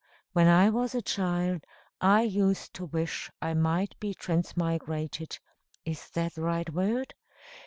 when I was a child, I used to wish I might be transmigrated (is that the right word?)